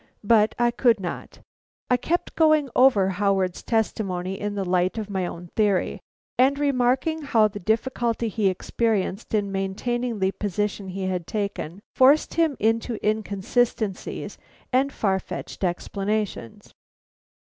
But I could not. I kept going over Howard's testimony in the light of my own theory, and remarking how the difficulty he experienced in maintaining the position he had taken, forced him into inconsistencies and far fetched explanations.